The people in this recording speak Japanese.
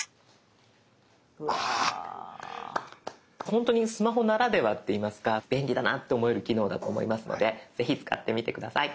本当にスマホならではって言いますか便利だなと思える機能だと思いますのでぜひ使ってみて下さい。